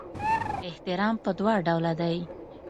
احترام په دوه ډوله دی.